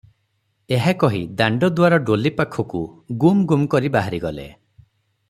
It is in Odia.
ଏହା କହି ଦାଣ୍ତ ଦୁଆର ଡୋଲି ପାଖକୁ ଗୁମ୍ ଗୁମ୍ କରି ବାହାରିଗଲେ ।